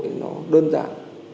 thì nó đơn giản